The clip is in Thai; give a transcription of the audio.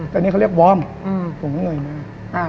แต่นี่เขาเรียกวอร์มผมก็เลยมา